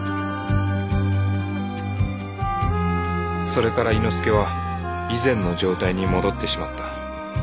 それから猪之助は以前の状態に戻ってしまった。